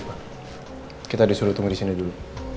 oke pak kita disuruh tunggu disini dulu